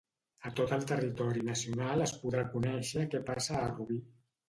A tot el territori nacional es podrà conèixer què passa a Rubí.